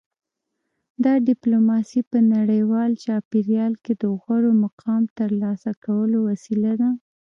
دا ډیپلوماسي په نړیوال چاپیریال کې د غوره مقام ترلاسه کولو وسیله ده